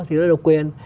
thì nó độc quyền